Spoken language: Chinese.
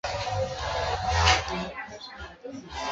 通常这类人士都会收取利益作开支。